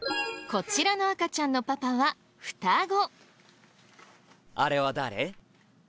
こちらの赤ちゃんのパパは双子。